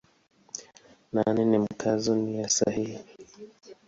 Nane ni Mkazo nia sahihi.